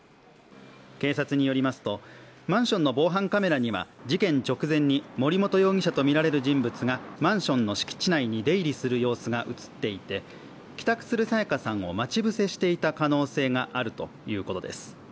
警察によりますとマンションの防犯カメラには事件直前に森本容疑者とみられる人物がマンションの敷地内に出入りする様子が映っていて、帰宅する彩加さんを待ち伏せしていた可能性があるということです。